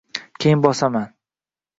keyin bosaman.